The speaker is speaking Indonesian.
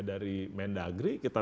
dari mendagri kita